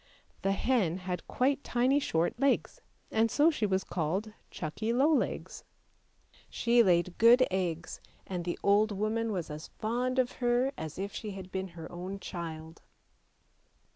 The hen had quite tiny short legs, and so she was called " Chuckie low legs." She laid good eggs, and the old woman was as fond of her as if she had been her own child.